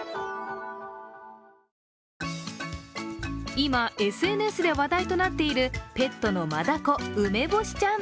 今、ＳＮＳで話題となっているペットのマダコ・梅干しちゃん。